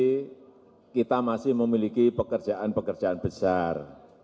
sekali lagi kita masih memiliki pekerjaan pekerjaan besar